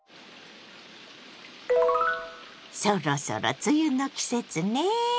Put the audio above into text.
そろそろ梅雨の季節ね。